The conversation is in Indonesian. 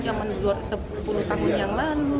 yang menjual sepuluh tahun yang lalu